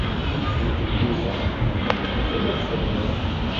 Yendem Yuba i mi yebqel ad t-xedmen.